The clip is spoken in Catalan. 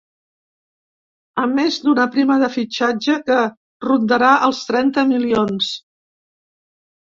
A més d’una prima de fitxatge que rondarà els trenta milions.